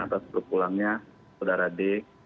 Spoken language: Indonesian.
atas perpulangnya saudara d